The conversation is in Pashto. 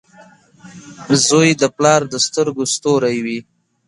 • زوی د پلار د سترګو ستوری وي.